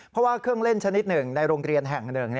เพราะว่าเครื่องเล่นชนิดหนึ่งในโรงเรียนแห่งหนึ่ง